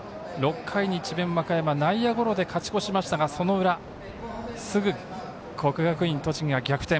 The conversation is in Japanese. ６回に智弁和歌山、内野ゴロで勝ち越しましたが、その裏すぐ国学院栃木が逆転。